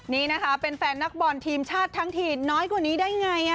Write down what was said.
นี่นะคะเป็นแฟนนักบอลทีมชาติทั้งทีน้อยกว่านี้ได้ไง